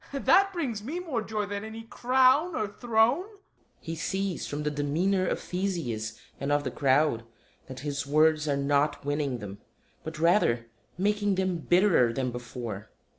That brings more joy than any crown or throne. [He sees from the demeanor of THESEUS _and of the crowd that his words are not winning them, but rather making them bitterer than before.